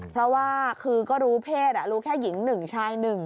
เพราะว่าคือก็รู้เพศรู้แค่หญิง๑ชาย๑